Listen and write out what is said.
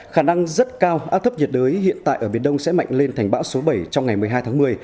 khả năng rất cao áp thấp nhiệt đới hiện tại ở biển đông sẽ mạnh lên thành bão số bảy trong ngày một mươi hai tháng một mươi